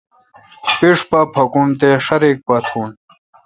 پِِݭ پا پھکون تے ݭا ریک پا تھون۔